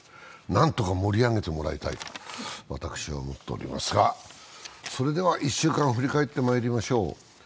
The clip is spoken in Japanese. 何とか盛り上げてもらいたいと私は思っておりますが、それでは１週間を振り返ってまいりましょう。